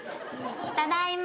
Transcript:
ただいま。